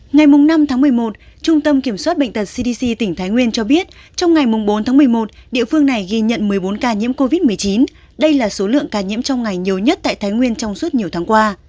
ngày năm tháng một mươi một trung tâm kiểm soát bệnh tật cdc tỉnh thái nguyên cho biết trong ngày bốn tháng một mươi một địa phương này ghi nhận một mươi bốn ca nhiễm covid một mươi chín đây là số lượng ca nhiễm trong ngày nhiều nhất tại thái nguyên trong suốt nhiều tháng qua